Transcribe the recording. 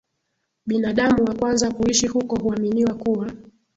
Binadamu wa kwanza kuishi huko huaminiwa kuwa